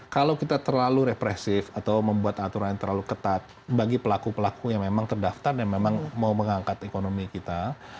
kalau kita terlalu represif atau membuat aturan yang terlalu ketat bagi pelaku pelaku yang memang terdaftar dan memang mau mengangkat ekonomi kita